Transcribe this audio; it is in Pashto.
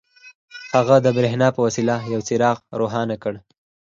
هغه د برېښنا په وسيله يو څراغ روښانه کړ.